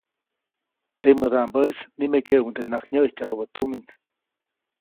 Temädaʼmbäʼis nimekeʼuŋdenaʼak nyäʼijtyajubä tumin.